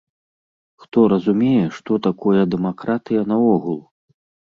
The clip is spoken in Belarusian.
Хто разумее, што такое дэмакратыя наогул?